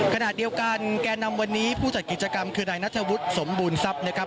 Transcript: ขณะเดียวกันแก่นำวันนี้ผู้จัดกิจกรรมคือนายนัทวุฒิสมบูรณทรัพย์นะครับ